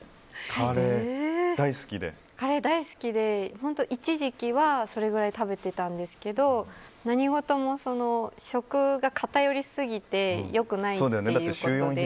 カレー大好きで本当に一時期はそれぐらい食べてたんですけど何事も食が偏りすぎて良くないっていうことで。